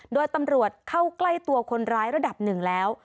โดยตำรวจเข้าใกล้ตัวคนร้ายระดับหนึ่งแล้ว